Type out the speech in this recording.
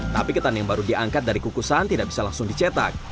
tapi ketan yang baru diangkat dari kukusan tidak bisa langsung dicetak